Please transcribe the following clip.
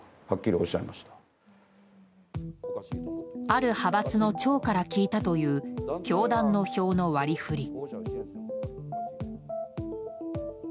ある派閥の長から聞いたという教団の票の割り振り。